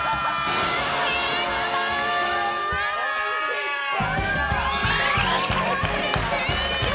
失敗！